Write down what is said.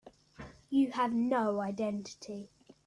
You have no identity.